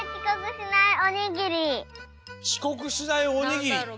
ちこくしないおにぎりって？